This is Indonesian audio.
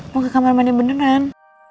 mau ke kamar mandi beneran